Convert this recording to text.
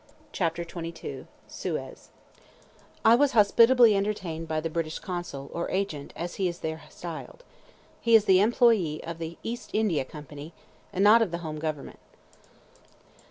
CHAPTER XXII—SUEZ I was hospitably entertained by the British consul, or agent, as he is there styled. He is the employé of the East India Company, and not of the Home Government.